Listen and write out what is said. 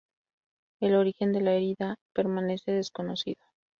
El origen de la herida permanece desconocido.